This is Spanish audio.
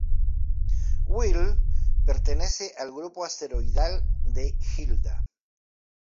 Wild pertenece al grupo asteroidal de Hilda.